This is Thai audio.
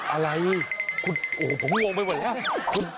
อะไรคุณโอ้โหผมโลงไม่ไหวแล้ว